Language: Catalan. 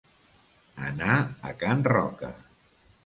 Anar a Can Roca.